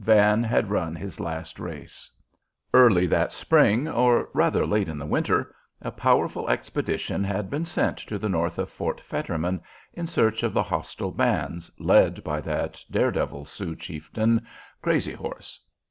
Van had run his last race. Early that spring, or rather late in the winter, a powerful expedition had been sent to the north of Fort Fetterman in search of the hostile bands led by that dare devil Sioux chieftain Crazy Horse.